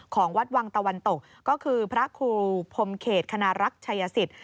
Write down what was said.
ของวัดวังตะวันตกก็คือพระครูพรมเขตคณรักชัยสิทธิ